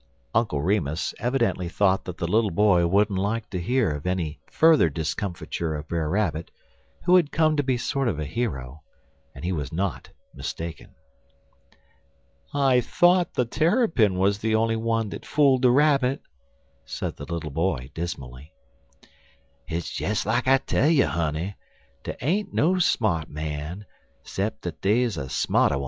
Uncle Remus evidently thought that the little boy wouldn't like to hear of any further discomfiture of Brer Rabbit, who had come to be a sort of hero, and he was not mistaken. "I thought the Terrapin was the only one that fooled the Rabbit," said the little boy, dismally. "Hit's des like I tell you, honey. Dey ain't no smart man, 'cep' w'at dey's a smarter.